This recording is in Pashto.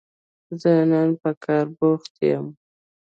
زه نن په کار بوخت يم